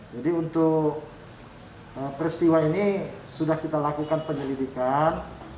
jadi untuk peristiwa ini sudah kita lakukan penyelidikan